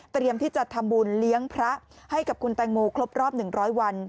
ที่จะทำบุญเลี้ยงพระให้กับคุณแตงโมครบรอบ๑๐๐วัน